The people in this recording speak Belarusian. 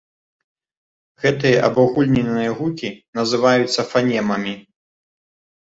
Гэтыя абагульненыя гукі называюцца фанемамі.